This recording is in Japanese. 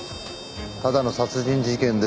ただの殺人事件です。